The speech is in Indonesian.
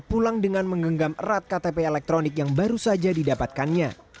pulang dengan menggenggam erat ktp elektronik yang baru saja didapatkannya